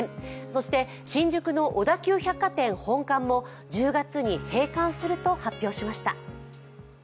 そして新宿の小田急百貨店本館も１０月に閉館すると発表しました。